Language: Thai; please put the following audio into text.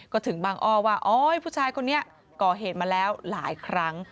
ก็ถึงบางอ้อว่าโอ๊ยผู้ชายคนนี้ก่อเหตุมาแล้วหลายครั้ง